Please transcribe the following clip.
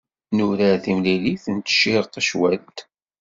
Nurar timlilit n tcirqecwalt.